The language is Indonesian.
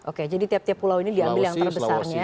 oke jadi tiap tiap pulau ini diambil yang terbesarnya